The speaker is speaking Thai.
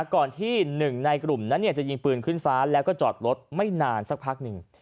ก่อนที่หนึ่งในกลุ่มนั้นจะยิงปืนขึ้นฟ้าแล้วก็จอดรถไม่นานสักพักหนึ่ง